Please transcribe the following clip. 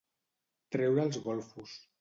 Treure els golfos.